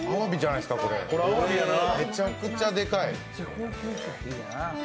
めちゃくちゃでかい。